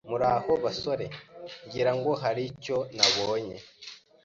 Muraho basore, ngira ngo hari icyo nabonye.